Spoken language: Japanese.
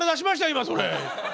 今それ。